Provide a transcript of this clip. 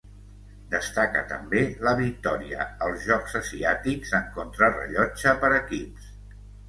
Destaca també la victòria als Jocs Asiàtics en Contrarellotge per equips.